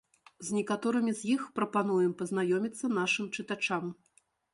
З некаторымі з іх прапануем пазнаёміцца нашым чытачам.